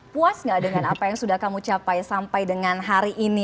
puas gak dengan apa yang sudah kamu capai sampai dengan hari ini